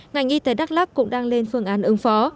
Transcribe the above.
ngành y tế đắk lắc cũng đang lên phương án ứng phó